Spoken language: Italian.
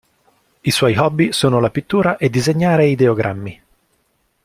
I suoi hobby sono la pittura e disegnare ideogrammi.